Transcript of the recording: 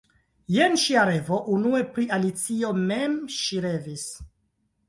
Jen ŝia revo: Unue pri Alicio mem ŝi revis.